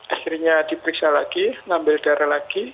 akhirnya diperiksa lagi ngambil darah lagi